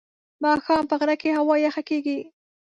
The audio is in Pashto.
ماښام په غره کې هوا یخه کېږي.